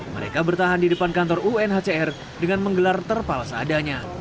mereka bertahan di depan kantor unhcr dengan menggelar terpal seadanya